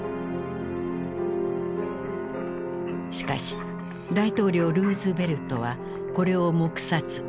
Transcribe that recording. しかし大統領ルーズベルトはこれを黙殺。